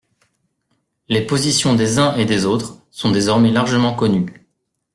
Les positions des uns et des autres sont désormais largement connues.